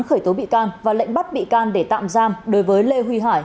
khởi tố bị can và lệnh bắt bị can để tạm giam đối với lê huy hải